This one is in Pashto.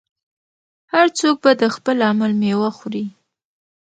هر څوک به د خپل عمل میوه خوري.